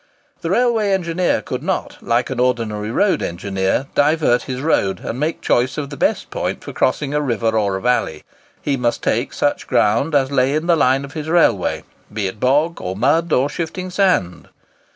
The railway engineer could not, like the ordinary road engineer, divert his road and make choice of the best point for crossing a river or a valley. He must take such ground as lay in the line of his railway, be it bog, or mud, or shifting sand.